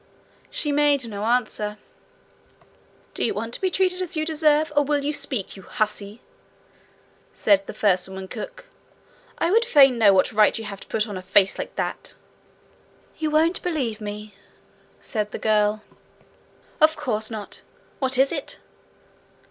She made no answer. 'Do you want to be treated as you deserve, or will you speak, you hussy?' said the first woman cook. 'I would fain know what right you have to put on a face like that!' 'You won't believe me,' said the girl. 'Of course not. What is it?'